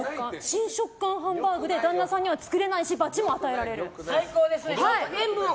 新食感ハンバーグで旦那さんには作れないし罰も与えられる。